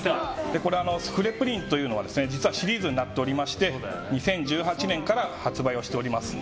スフレ・プリンは実はシリーズになっておりまして２０１８年から発売しております。